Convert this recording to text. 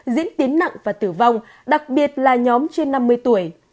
diễn tiến nặng và tử vong đặc biệt là nhóm trên năm mươi tuổi